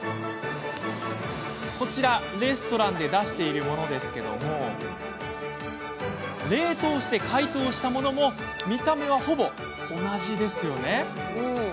こちらはレストランで出しているものですが冷凍して解凍したものも見た目は、ほぼ同じですよね。